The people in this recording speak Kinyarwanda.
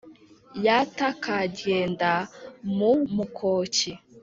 yata karyenda mu mukoki.